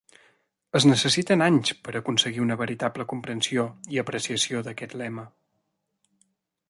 Es necessiten anys per a aconseguir una veritable comprensió i apreciació d'aquest lema.